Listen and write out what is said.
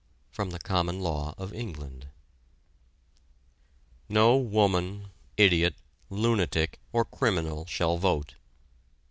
From the Common Law of England. No woman, idiot, lunatic, or criminal shall vote.